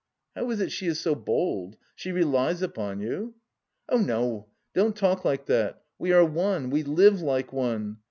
"How is it she is so bold? She relies upon you?" "Oh, no, don't talk like that.... We are one, we live like one."